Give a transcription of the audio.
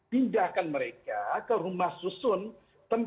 pindahkan mereka ke rumah susun